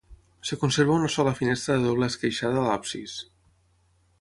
Es conserva una sola finestra de doble esqueixada a l'absis.